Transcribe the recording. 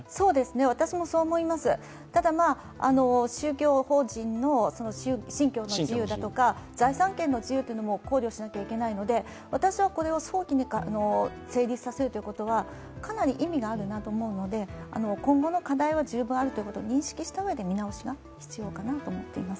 私もそう思います、ただ、宗教法人の信教の自由だとか、財産権の自由も考慮しなければいけないので私は早期に成立させることはかなり意味があると思うので、今後の課題は十分あるということを認識したうえで見直しは必要かなと思っています。